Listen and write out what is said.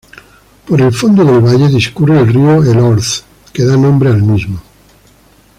Por el fondo del valle, discurre el río Elorz, que da nombre al mismo.